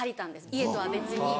家とは別に。